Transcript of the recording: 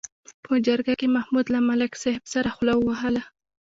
په جرګه کې محمود له ملک صاحب سره خوله ووهله.